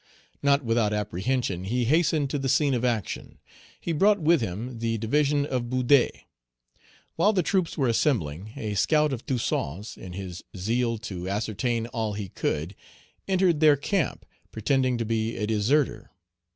Not without apprehension he hastened to the scene of action. He brought with him the division of Boudet. While the troops were assembling, a scout of Toussaint's, in his zeal to ascertain all he could, entered their camp, pretending to be a deserter.